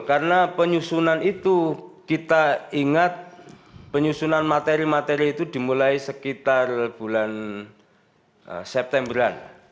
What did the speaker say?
karena penyusunan itu kita ingat penyusunan materi materi itu dimulai sekitar bulan september an